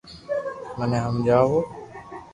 مني ھمجاوُ